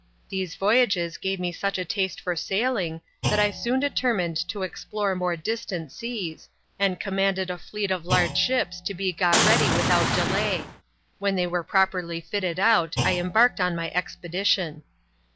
These voyages gave me such a taste for sailing that I soon determined to explore more distant seas, and commanded a fleet of large ships to be got ready without delay. When they were properly fitted out I embarked on my expedition.